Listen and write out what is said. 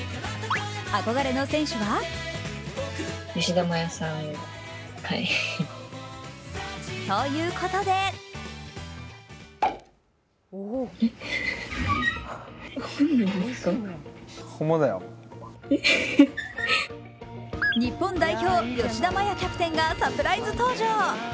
憧れの選手はということで日本代表・吉田麻也キャプテンがサプライズ登場。